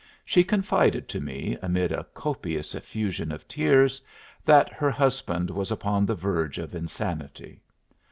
She confided to me amid a copious effusion of tears that her husband was upon the verge of insanity.